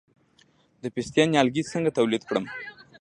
د پستې نیالګي څنګه تولید کړم؟